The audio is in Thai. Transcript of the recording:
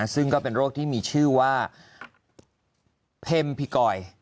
ซึ่งก็เป็นโรคที่มีชื่อว่าเพ็มพิกอย